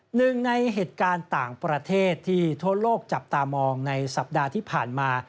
หนึ่งในเหตุการณ์ต่างประเทศที่ทั่วโลกจับตามองในสัปดาห์ที่ผ่านมา